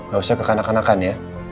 gak usah kekanakan kanakan ya